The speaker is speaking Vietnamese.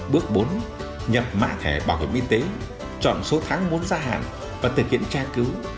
bước bốn nhập mã thẻ bảo hiểm y tế chọn số tháng muốn ra hạn và thực hiện tra cứu